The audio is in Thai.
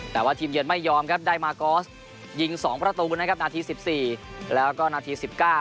แต่ว่าทีมเยือนไม่ยอมครับได้มากอสยิง๒ประตูนะครับนาที๑๔แล้วก็นาที๑๙